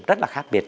rất là khác biệt